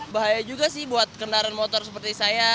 bahaya juga sih buat kendaraan motor seperti saya